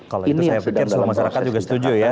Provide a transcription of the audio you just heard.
kalau itu saya pikir semua masyarakat juga setuju ya